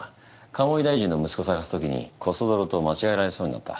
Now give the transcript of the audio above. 鴨井大臣の息子捜すときにこそ泥と間違えられそうになった。